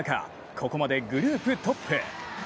ここまでグループトップ。